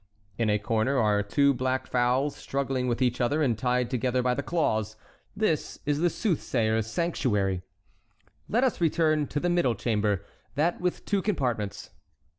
In a corner are two black fowls struggling with each other and tied together by the claws. This is the soothsayer's sanctuary. Let us return to the middle chamber, that with two compartments.